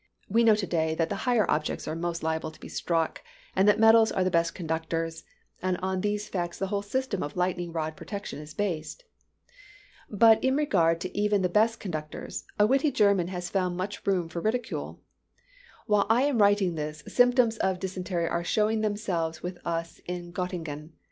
We know to day that the higher objects are most liable to be struck, and that metals are the best conductors; and on these facts the whole system of lightning rod protection is based. But in regard to even the best conductors, a witty German has found much room for ridicule. "While I am writing this, symptoms of dysentery are showing themselves with us in Gottingen.